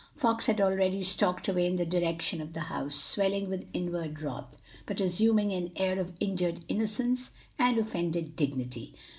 Fox had already stalked away in the direction of the house, swelling with inward wrath, but assuming an air of injured innocence and offended dignity.